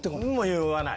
言わない。